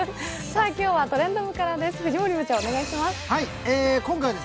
今日は「トレンド部」からです。